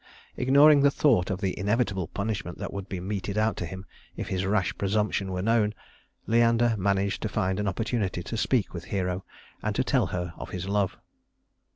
Ignoring the thought of the inevitable punishment that would be meted out to him if his rash presumption were known, Leander managed to find an opportunity to speak with Hero and to tell her of his love.